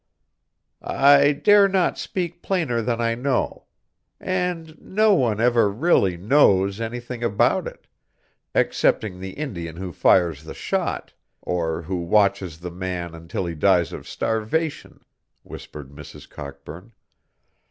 "I dare not speak plainer than I know; and no one ever really knows anything about it excepting the Indian who fires the shot, or who watches the man until he dies of starvation," whispered Mrs. Cockburn.